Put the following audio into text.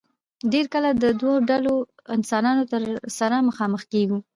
ډېر کله د دو ډلو انسانانو سره مخامخ کيږو